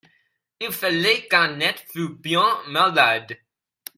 Il fallait qu'Annette fut bien malade.